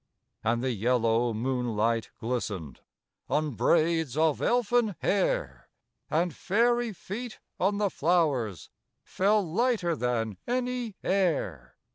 And the yellow moonlight glistened On braids of elfin hair: And fairy feet on the flowers Fell lighter than any air.